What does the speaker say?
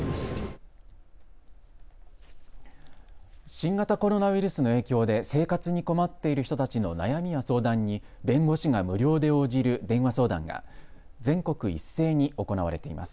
新型コロナウイルスの影響で生活に困っている人たちの悩みや相談に弁護士が無料で応じる電話相談が全国一斉に行われています。